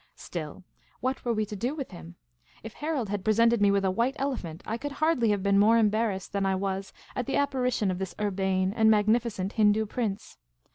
Still, what were we to do with him ? If Harold had pre sented me with a white elephant I could hardly have been more embarrassed than I was at the apparition of this urbane and magnificent Hindoo prince.